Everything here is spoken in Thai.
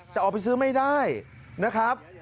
แต่ออกไปซื้อไม่ได้นะครับ